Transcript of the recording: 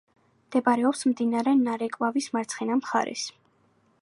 მდებარეობს მდინარე ნარეკვავის მარცხენა მხარეს.